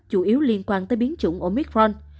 chủ yếu liên quan tới biến chủng omicron